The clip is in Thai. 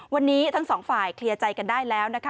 วันนี้ทั้งสองฝ่ายเคลียร์ใจกันได้แล้วนะคะ